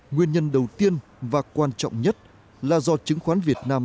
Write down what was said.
nguyên nhân đầu tiên và quan trọng nhất là do chứng khoán việt nam